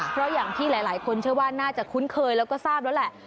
เพราะอย่างที่หลายคนเชื่อว่าน่าจะคุ้นเคยแล้วก็ทราบแล้วแหละ